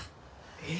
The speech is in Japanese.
えっ？